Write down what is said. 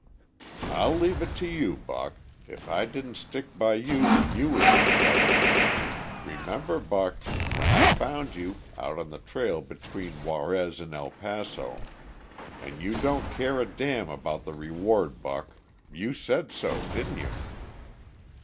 "I'll leave it to you, Buck, if I didn't stick by you when you was in trouble. Remember, Buck, when I found you, out on the trail between Juarez and El Paso. And you don't care a damn about the reward, Buck; you said so, didn't you?"